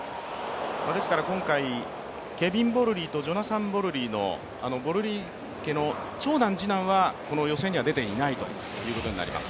今回、ケビン・ボルリーとジョナサン・ボルリーのボルリー家の長男、次男は予選には出ていないということになります。